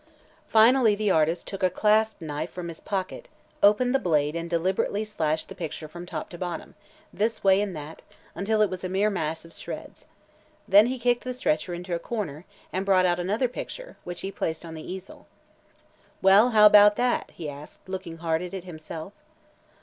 Finally the artist took a claspknife from his pocket, opened the blade and deliberately slashed the picture from top to bottom, this way and that, until it was a mere mass of shreds. Then he kicked the stretcher into a corner and brought out another picture, which he placed on the easel. "Well, how about that?" he asked, looking hard at it himself.